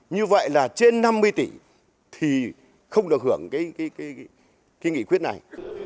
như vậy là trên năm mươi tỷ thì không được hưởng cái nghị quyết này